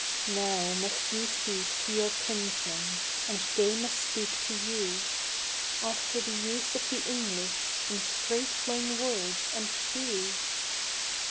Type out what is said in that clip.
Now must ye speak to your kinsmen and they must speak to you, After the use of the English, in straight flung words and few.